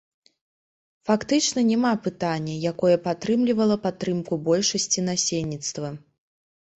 Фактычна няма пытання, якое б атрымлівала падтрымку большасці насельніцтва.